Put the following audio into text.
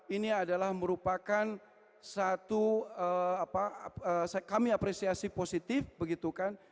ini adalah merupakan satu apa kami apresiasi positif begitu kan